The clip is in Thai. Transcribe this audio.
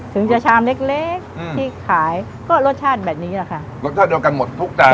ถึงจะชามเล็กเล็กอืมที่ขายก็รสชาติแบบนี้แหละค่ะรสชาติเดียวกันหมดทุกจาน